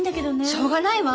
しょうがないわ。